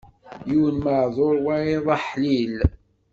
Yiwen maɛduṛ, wayeḍ aḥlil.